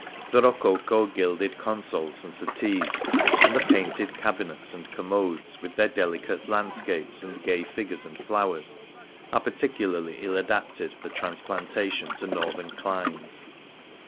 The rococo gilded consoles and settees, and the painted cabinets and commodes, with their delicate landscapes and gay figures and flowers, are par ticularly ill adapted for transplantation to Northern climes.